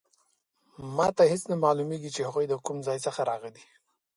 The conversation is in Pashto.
ما ته هیڅ نه معلومیږي چې هغوی د کوم ځای څخه راغلي